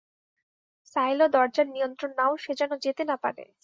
Silo দরজার নিয়ন্ত্রণ নাও, সে যেনো যেতে না পারে।